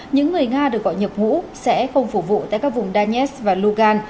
những người nga được gọi nhập ngũ sẽ không phục vụ tại các vùng danets và lugan